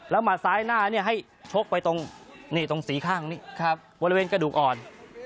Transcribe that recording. แล้วหมัดซ้ายหน้าเนี่ยให้โชคไปตรงนี่ตรงสีข้างบริเวณกระดูกอ่อน